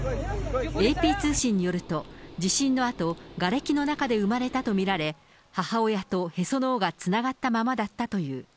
ＡＰ通信によると、地震のあと、がれきの中で産まれたと見られ、母親とへその緒がつながったままだったという。